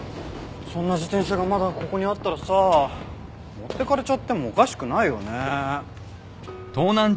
そんな自転車がまだここにあったらさ持って行かれちゃってもおかしくないよね？